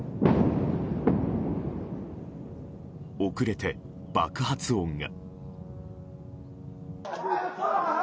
遅れて、爆発音が。